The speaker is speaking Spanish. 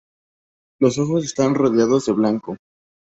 Los ojos están rodeados de blanco.